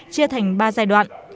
chia thành ba giai đoạn